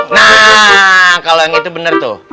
nah kalo yang itu bener tuh